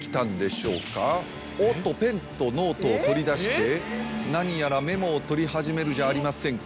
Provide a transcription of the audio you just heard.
おっとペンとノートを取り出して何やらメモを取り始めるじゃありませんか。